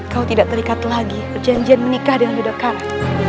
kau tidak terikat lagi perjanjian menikah dengan yudhakara